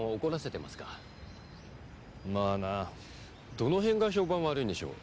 どの辺が評判悪いんでしょう？